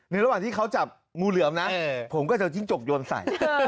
ระหว่างที่เขาจับงูเหลือมนะผมก็จะเอาจิ้งจกโยนใส่